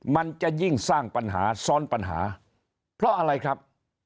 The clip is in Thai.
มันจะยิ่งสร้างปัญหาซ้อนปัญหาเพราะอะไรครับ